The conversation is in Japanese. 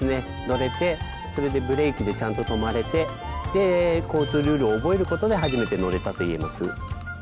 乗れてそれでブレーキでちゃんと止まれてで交通ルールを覚えることで初めて乗れたと言えます。